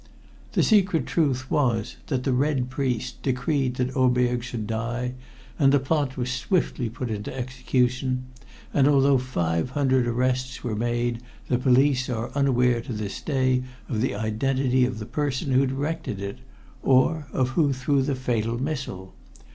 The secret truth was that the "Red Priest" decreed that Oberg should die, and the plot was swiftly put into execution, and although five hundred arrests were made the police are unaware to this day of the identity of the person who directed it, or of who threw the fatal missile.